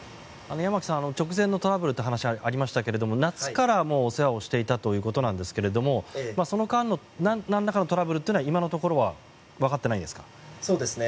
山木さん直前のトラブルという話がありましたが夏からお世話をしていたということなんですがその間のなんらかのトラブルというのはわかっていないのですか？